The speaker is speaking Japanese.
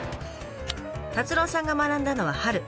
達朗さんが学んだのは春。